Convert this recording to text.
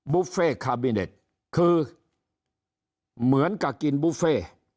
บุฟเฟ่คาบิเน็ตคือเหมือนกับกินบุฟเฟ่